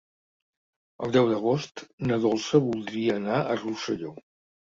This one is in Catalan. El deu d'agost na Dolça voldria anar a Rosselló.